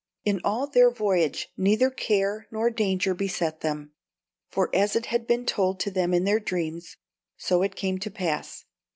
In all their voyage neither care nor danger beset them; for as it had been told to them in their dreams, so it came to pass.